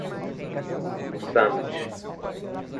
Mossâmedes